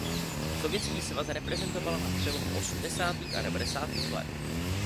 Sovětský svaz reprezentovala na přelomu osmdesátých a devadesátých let.